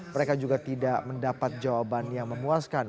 mereka juga tidak mendapat jawaban yang memuaskan